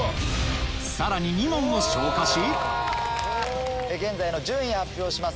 さらに２問を消化し現在の順位発表します。